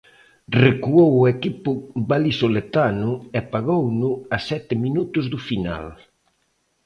Recuou o equipo valisoletano e pagouno a sete minutos do final.